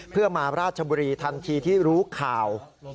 เพื่อมาราชบุรีทันทีที่รู้ข่าว